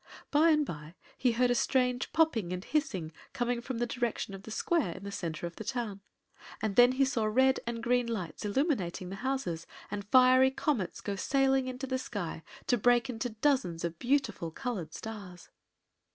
By and by he heard a strange popping and hissing coming from the direction of the square in the center of the town, and then he saw red and green lights illuminating the houses, and fiery comets go sailing into the sky to break into dozens of beautiful colored stars.